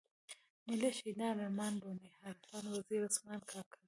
ملي شهيدان ارمان لوڼی، عارف وزير، عثمان کاکړ.